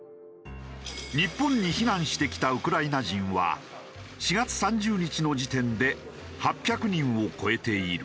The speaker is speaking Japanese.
日本に避難してきたウクライナ人は４月３０日の時点で８００人を超えている。